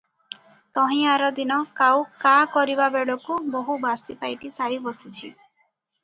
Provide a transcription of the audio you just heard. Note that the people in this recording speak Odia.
ତହିଁ ଆରଦିନ କାଉ କା କରିବାବେଳକୁ ବୋହୂ ବାସି ପାଇଟି ସାରି ବସିଛି ।